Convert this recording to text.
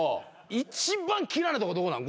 一番嫌いなとこどこなん？